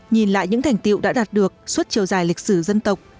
nhìn lại những thành tiệu đã đạt được suốt chiều dài lịch sử dân tộc